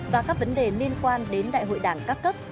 và các vấn đề liên quan đến đại hội đảng các cấp